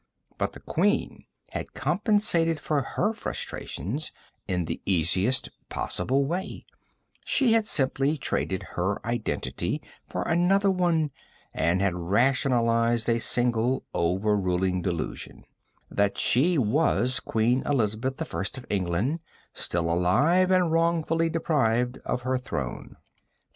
But the Queen had compensated for her frustrations in the easiest possible way; she had simply traded her identity for another one, and had rationalized a single, over ruling delusion: that she was Queen Elizabeth I of England, still alive and wrongfully deprived of her throne.